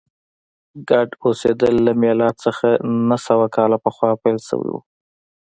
ګډ اوسېدل له میلاد څخه نهه نیم سوه کاله پخوا پیل شوي و